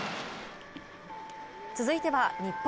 続いては日本。